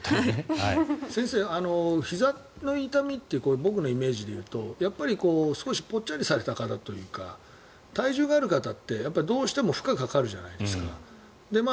先生、ひざの痛みって僕のイメージでいうと少しぽっちゃりされた方というか体重がある方ってどうしても負荷がかかるじゃないですか。